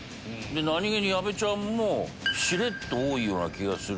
何げに矢部ちゃんもしれっと多いような気がする。